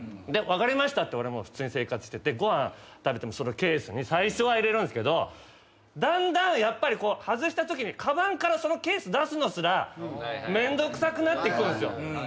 で分かりましたって俺普通に生活しててご飯食べてもそのケースに最初は入れるんですけどだんだんやっぱり外したときにかばんからそのケース出すのすらめんどくさくなってくるんすよ。